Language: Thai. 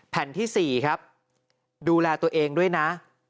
แผ่นที่๔ครับดูแลตัวเองด้วยนะ